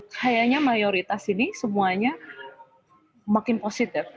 kayaknya mayoritas ini semuanya makin positif